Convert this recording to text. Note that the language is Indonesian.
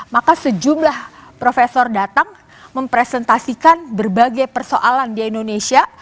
maka sejumlah profesor datang mempresentasikan berbagai persoalan di indonesia